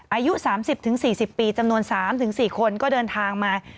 อายุสามสิบถึงสี่สิบปีจำนวนสามถึงสี่คนก็เดินทางมา